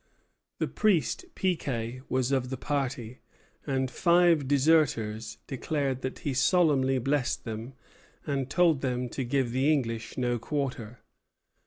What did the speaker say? The priest Piquet was of the party; and five deserters declared that he solemnly blessed them, and told them to give the English no quarter.